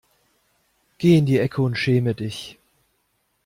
Geh in die Ecke und schäme dich.